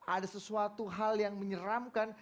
ada sesuatu hal yang menyeramkan